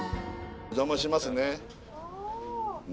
お邪魔しますね。